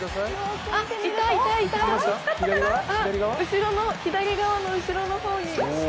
後ろの、左側の後ろの方に！